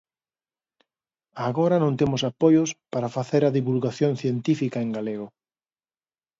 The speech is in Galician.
Agora non temos apoios para facer a divulgación científica en galego.